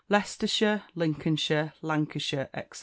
Leicestershire, Lincolnshire, Lancashire, &c.